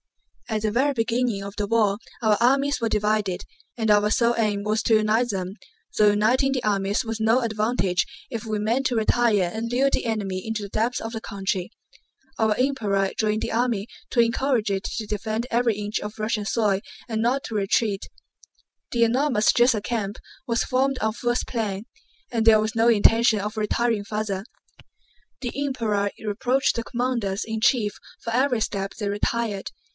At the very beginning of the war our armies were divided, and our sole aim was to unite them, though uniting the armies was no advantage if we meant to retire and lure the enemy into the depths of the country. Our Emperor joined the army to encourage it to defend every inch of Russian soil and not to retreat. The enormous Drissa camp was formed on Pfuel's plan, and there was no intention of retiring farther. The Emperor reproached the commanders in chief for every step they retired.